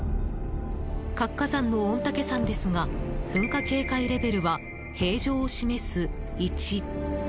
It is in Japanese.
活火山の御嶽山ですが噴火警戒レベルは平常を示す１。